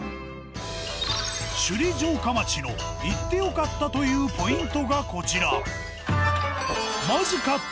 首里城下町の行って良かったというポイントがこちら。